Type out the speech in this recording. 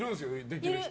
できる人。